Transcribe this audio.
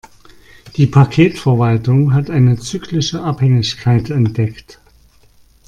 Die Paketverwaltung hat eine zyklische Abhängigkeit entdeckt.